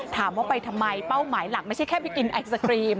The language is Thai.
ถามว่าไปทำไมเป้าหมายหลักไม่ใช่แค่ไปกินไอศครีม